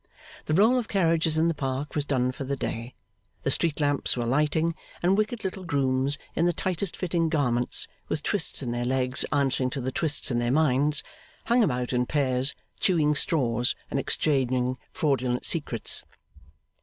The roll of carriages in the Park was done for the day; the street lamps were lighting; and wicked little grooms in the tightest fitting garments, with twists in their legs answering to the twists in their minds, hung about in pairs, chewing straws and exchanging fraudulent secrets.